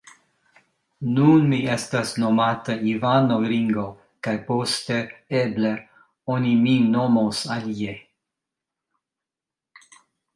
Nun mi estas nomata Ivano Ringo kaj poste, eble, oni min nomos alie.